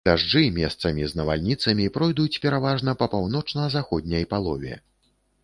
Дажджы, месцамі з навальніцамі, пройдуць пераважна па паўночна-заходняй палове.